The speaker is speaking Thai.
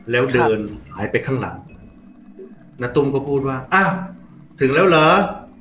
แล้วเดินหายไปข้างหลังณตุ้มก็พูดว่าอ้าวถึงแล้วเหรอ